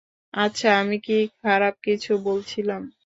আচ্ছা, আমি কি খারাপ কিছু বলছিলাম?